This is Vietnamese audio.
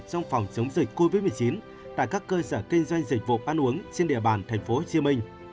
trong phòng chống dịch covid một mươi chín tại các cơ sở kinh doanh dịch vụ ăn uống trên địa bàn tp hcm